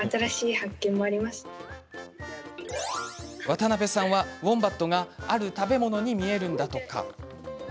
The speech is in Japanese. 渡邊さんは、ウオンバットがある食べ物に見えるんだとか。